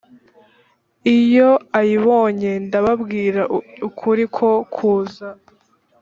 iyo ayibonye ndababwira ukuri ko kuza